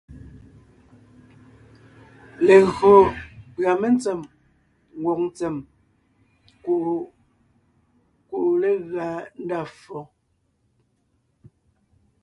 Legÿo pʉ̀a mentsém ngwòŋ ntsèm kuʼu kuʼu legʉa ndá ffo.